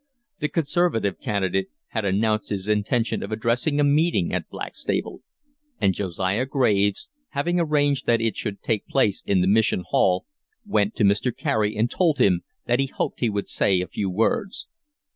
The Conservative candidate had announced his intention of addressing a meeting at Blackstable; and Josiah Graves, having arranged that it should take place in the Mission Hall, went to Mr. Carey and told him that he hoped he would say a few words.